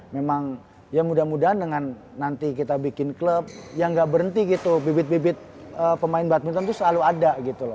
memang ya mudah mudahan dengan nanti kita bikin klub yang gak berhenti gitu bibit bibit pemain badminton itu selalu ada gitu loh